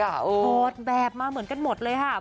ถอดแบบมาเหมือนกันหมดเลยค่ะ